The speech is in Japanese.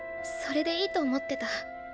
それでいいと思ってた。